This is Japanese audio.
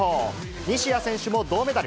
西矢選手も銅メダル。